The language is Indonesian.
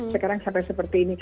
sekarang sampai seperti ini